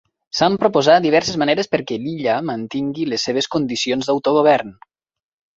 S'han proposat diverses maneres perquè l'illa mantingui les seves condicions d'autogovern.